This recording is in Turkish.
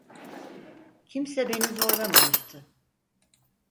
Kimse beni zorlamamıştı.